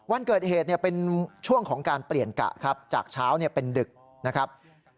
วันเกิดเหตุเป็นช่วงของการเปลี่ยนกะครับจากเช้าเป็นดึกนะครับ